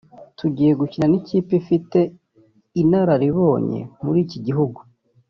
“Tugiye gukina n’ikipe ifite inararibonye muri iki gihugu